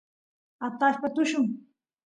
atashpa tullun